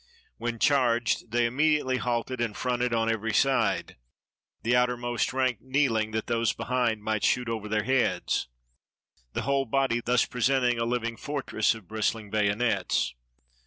When charged, they immediately halted and fronted on every side — the outermost rank kneeling that those behind might shoot over their heads; the whole body thus presenting a liv ing fortress of bristling bayonets.